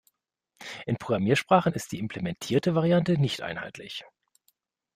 In Programmiersprachen ist die implementierte Variante nicht einheitlich.